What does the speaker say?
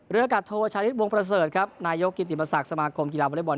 ริยากาศโทวชายฤทธิ์วงประเศรษฐ์ครับนายกิติปศักดิ์สมาคมกีฬาวอเล่นบอล